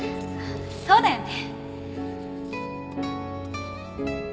そうだよね。